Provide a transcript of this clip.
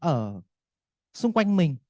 ở xung quanh mình